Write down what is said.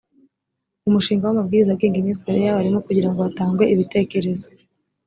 umushinga w’amabwiriza agenga imyitwarire y’abarimu kugira ngo hatangwe ibitekerezo